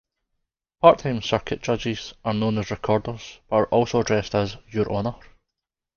Part-time circuit judges are known as Recorders but are also addressed as "Your Honour".